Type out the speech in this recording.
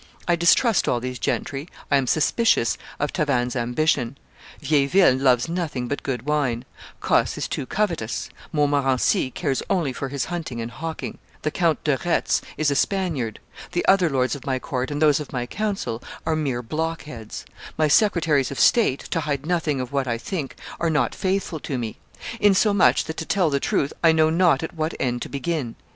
I distrust all these gentry; I am suspicious of Tavannes' ambition; Vieilleville loves nothing but good wine; Cosse is too covetous; Montmorency cares only for his hunting and hawking; the Count de Retz is a Spaniard; the other lords of my court and those of my council are mere blockheads; my Secretaries of State, to hide nothing of what I think, are not faithful to me; insomuch that, to tell the truth, I know not at what end to begin."